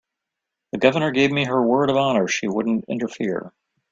The Governor gave me her word of honor she wouldn't interfere.